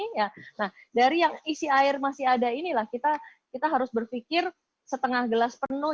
nah dari yang isi air masih ada inilah kita harus berpikir setengah gelas penuh